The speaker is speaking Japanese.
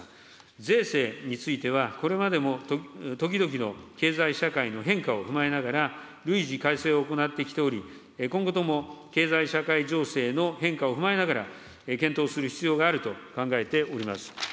税制については、これまでも時々の経済社会の変化を踏まえながら、累次改正を行ってきており、今後とも経済社会情勢の変化を踏まえながら、検討する必要があると考えております。